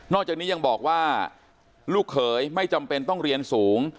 จากนี้ยังบอกว่าลูกเขยไม่จำเป็นต้องเรียนสูง